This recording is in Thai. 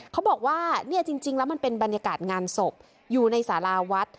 เขาบอกว่าเนี่ยจริงแล้วมันเป็นบรรยากาศงานศพอยู่ในสาราวัด